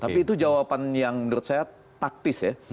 tapi itu jawaban yang menurut saya taktis ya